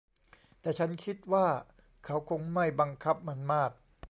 แต่ฉันคิดว่าเขาคงไม่บังคับมันมาก